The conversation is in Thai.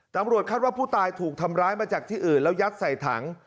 ตำรวจคาดว่าผู้ตายถูกทำร้ายมาจากที่อื่นแล้วยัดใส่ถัง